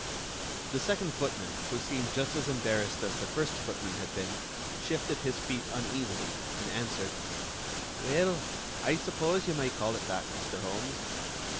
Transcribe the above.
The second footman, who seemed just as embarrassed as the first footman had been, shifted his feet uneasily and answered: "Well, I suppose you might call it that, Mr. Holmes.